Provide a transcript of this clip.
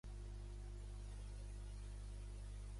El departament de Filosofia Jueva incloïa Neil Gillman i Shaul Magid.